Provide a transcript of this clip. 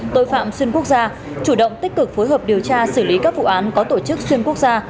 tội phạm xuyên quốc gia chủ động tích cực phối hợp điều tra xử lý các vụ án có tổ chức xuyên quốc gia